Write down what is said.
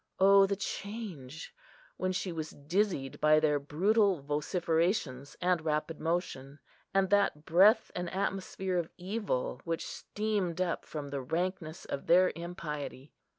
O the change, when she was dizzied by their brutal vociferations and rapid motion, and that breath and atmosphere of evil which steamed up from the rankness of their impiety!